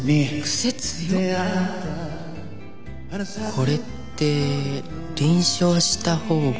これって輪唱した方が。